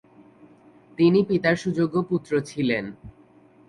তিনি পিতার সুযোগ্য পুত্র ছিলেন।